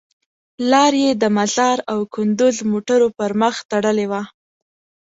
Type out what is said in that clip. لار یې د مزار او کندوز موټرو پر مخ تړلې وه.